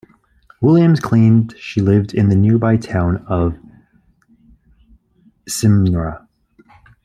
Williams claimed she lived in the nearby town of Smyrna.